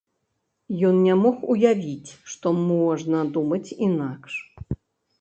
Ён не мог уявіць, што можна думаць інакш.